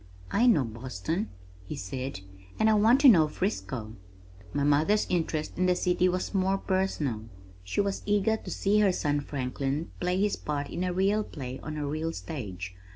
"I know Boston," he said, "and I want to know Frisco." My mother's interest in the city was more personal. She was eager to see her son Franklin play his part in a real play on a real stage.